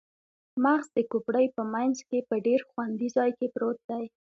مغز د کوپړۍ په مینځ کې په ډیر خوندي ځای کې پروت دی